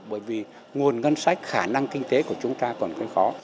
bởi vì nguồn ngân sách khả năng kinh tế của chúng ta còn cái khó